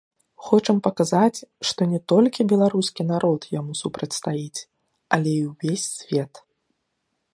Хочам паказаць, што не толькі беларускі народ яму супрацьстаіць, але і ўвесь свет.